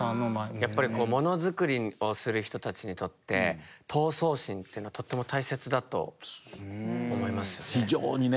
やっぱりものづくりをする人たちにとって闘争心っていうのはとっても大切だと思いますよね。